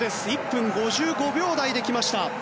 １分５５秒台できました。